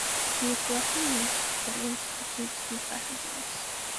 He was selecting yeasts for the institutes necessities.